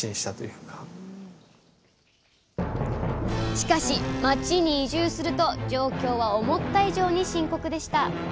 しかし町に移住すると状況は思った以上に深刻でした。